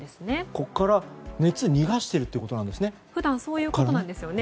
ここから熱を逃がしているということなんですね。